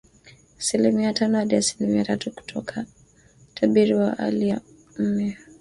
Asilimia tano hadi asilimia tatu, kutoka utabiri wa awali wa ine